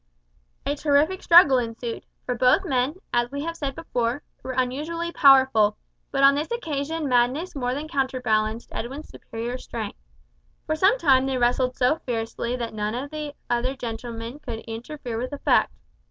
A terrific struggle ensued, for both men, as we have said before, were unusually powerful; but on this occasion madness more than counterbalanced Edwin's superior strength. For some time they wrestled so fiercely that none of the other gentlemen could interfere with effect.